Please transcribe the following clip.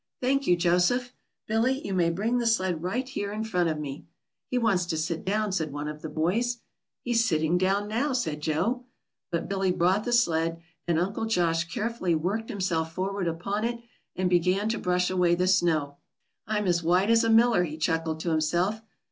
"Thank you, Joseph. Billy, you may bring the sled right here in front of me." "He wants to sit down," said one of the boys. "He's sitting down now," said Joe. But Billy brought the sled, and Uncle Josh carefully worked himself forward upon it, and began to brush away the snow. "I'm as white as a miller," he chuckled to himself.